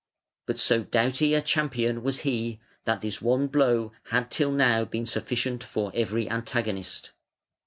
But so doughty a champion was he that this one blow had till now been sufficient for every antagonist.